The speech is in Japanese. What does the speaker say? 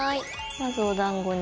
まずおだんごに。